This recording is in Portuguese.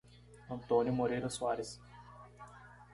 Antônio Moreira Soares